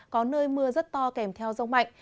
có nơi mưa rất to kèm theo rông mạnh